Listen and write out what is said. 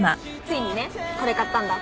ついにねこれ買ったんだ。